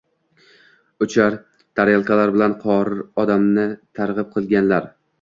Uchar tarelkalar bilan Qor odamni targ‘ib qilganlar.